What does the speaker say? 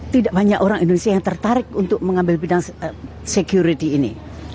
tidak banyak orang indonesia yang tertarik untuk mengambil bidang security ini